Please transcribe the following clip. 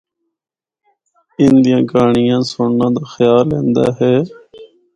ان دیاں کہانڑیاں سنڑنا دا خیال ایندا ہے۔